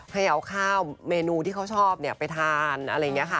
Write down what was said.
ให้เอาข้าวเมนูที่เขาชอบไปทานอะไรอย่างนี้ค่ะ